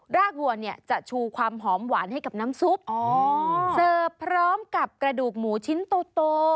รากวัวเนี่ยจะชูความหอมหวานให้กับน้ำซุปเสิร์ฟพร้อมกับกระดูกหมูชิ้นโต